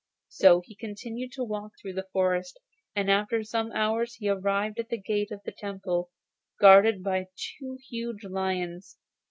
So he continued to walk on through the forest, and after some hours he arrived at the gate of a temple, guarded by two huge lions.